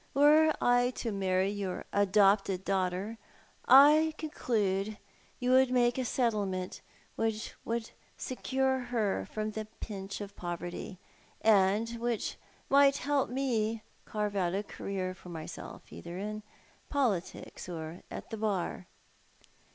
Were I to marry your adopted daughter I conclude you would make a settlement which would secure her from the pinch of poverty, and which might help me to carve out a career for myself, either in politics or at the Bar.''